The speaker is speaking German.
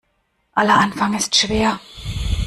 Aller Anfang ist schwer.